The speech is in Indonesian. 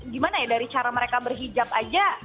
gimana ya dari cara mereka berhijab aja